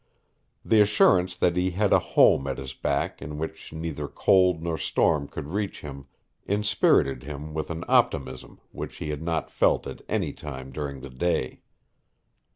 The assurance that he had a home at his back in which neither cold nor storm could reach him inspirited him with an optimism which he had not felt at any time during the day.